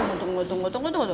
eh tunggu tunggu tunggu